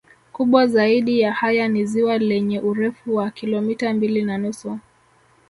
Kubwa zaidi ya haya ni ziwa lenye urefu wa kilometa mbili na nusu